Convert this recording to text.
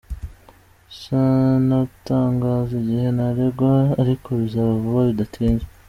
Sinatangaza igihe ntarengwa ariko bizaba vuba bidatinze.